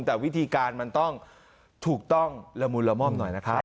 แต่วิธีการมันต้องถูกต้องละมุนละม่อมหน่อยนะครับ